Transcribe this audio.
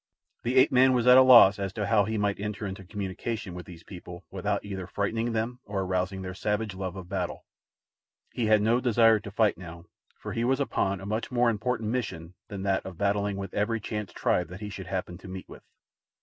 The ape man was at a loss as to how he might enter into communication with these people without either frightening them or arousing their savage love of battle. He had no desire to fight now, for he was upon a much more important mission than that of battling with every chance tribe that he should happen to meet with.